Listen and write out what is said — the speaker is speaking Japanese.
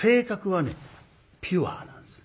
ピュアなんです。